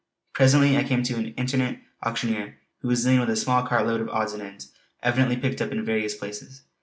Presently I came to an itinerant auctioneer who was dealing with a small cart load of odds and ends, evidently picked up in various places.